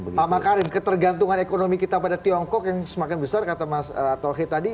pak makarim ketergantungan ekonomi kita pada tiongkok yang semakin besar kata mas tauhid tadi